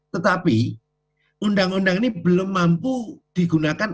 tetapi undang undang ini belum mampu digunakan